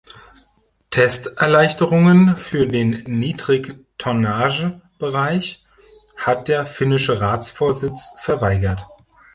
Testerleichterungen für den Niedrigtonnagebereich hat der finnische Ratsvorsitz verweigert.